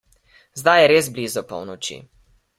Zdaj je res blizu polnoči.